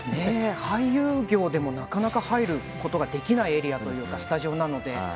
俳優業でもなかなか入ることができないエリアというかスタジオなので。